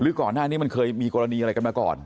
ก่อนหน้านี้มันเคยมีกรณีอะไรกันมาก่อน